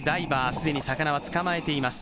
既に魚は捕まえています。